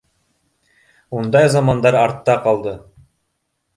Ундай замандар артта ҡалды.